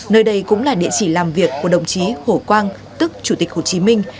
nơi đây cũng là địa chỉ làm việc của đồng chí hồ quang tức chủ tịch hồ chí minh